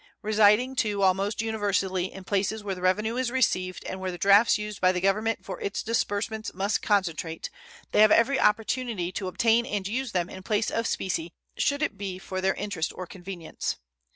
Residing, too, almost universally in places where the revenue is received and where the drafts used by the Government for its disbursements must concentrate, they have every opportunity to obtain and use them in place of specie should it be for their interest or convenience.